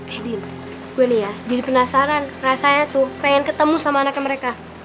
eh din gue nih ya jadi penasaran rasanya tuh pengen ketemu sama anaknya mereka